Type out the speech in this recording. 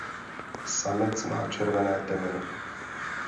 Samec má červené temeno.